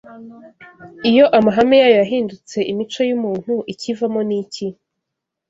iyo amahame yayo yahindutse imico y’umuntu, ikivamo ni iki?